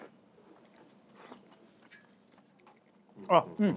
あっうん。